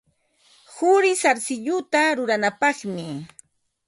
Quri sarsilluta ruranapaqmi.